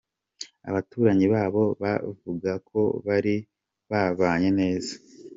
Abaturanyi babo bavuga ko bari babanye neza.